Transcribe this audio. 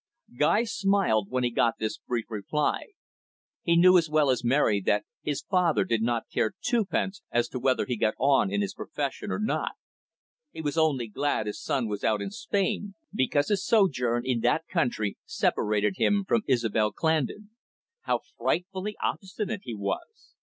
Guy smiled when he got this brief reply. He knew as well as Mary that his father did not care twopence as to whether he got on in his profession or not. He was only glad his son was out in Spain, because his sojourn in that country separated him from Isobel Clandon. How frightfully obstinate he was!